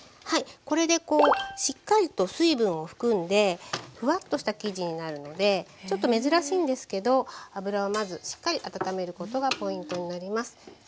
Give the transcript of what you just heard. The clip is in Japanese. これでしっかりと水分を含んでフワッとした生地になるのでちょっと珍しいんですけど油をまずしっかり温めることがポイントになります。